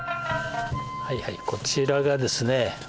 はいはいこちらがですね